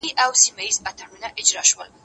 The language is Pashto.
زه هره ورځ مځکي ته ګورم!.